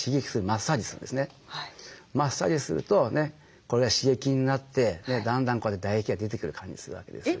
マッサージするとこれが刺激になってだんだんこうやって唾液が出てくる感じするわけです。